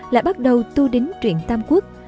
lại bắt đầu tu đính truyện tam quốc